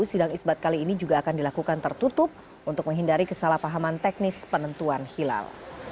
sidang isbat kali ini juga akan dilakukan tertutup untuk menghindari kesalahpahaman teknis penentuan hilal